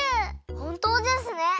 ほんとうですね。